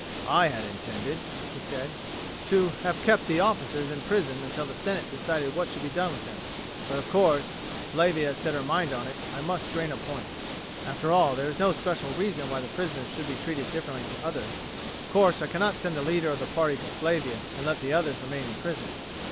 "I had intended," he said, "to have kept the officers in prison until the senate decided what should be done with them; but, of course, if Flavia has set her mind on it I must strain a point. After all there is no special reason why the prisoners should be treated differently to others. Of course I cannot send the leader of the party to Flavia and let the others remain in prison.